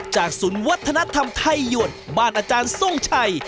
ศูนย์วัฒนธรรมไทยยวนบ้านอาจารย์ทรงชัย